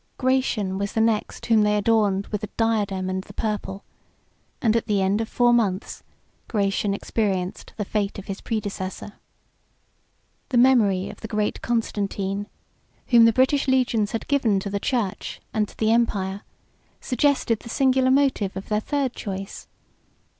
Gratian was the next whom they adorned with the diadem and the purple; and, at the end of four months, Gratian experienced the fate of his predecessor. The memory of the great Constantine, whom the British legions had given to the church and to the empire, suggested the singular motive of their third choice.